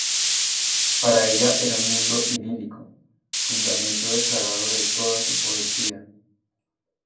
Para ella era un mundo idílico, fundamento declarado de toda su poesía.